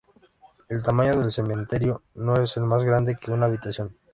El tamaño del cementerio no es más grande que una habitación.